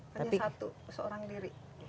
hanya satu seorang diri